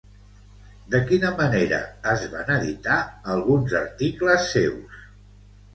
De quina manera es van editar alguns articles seus?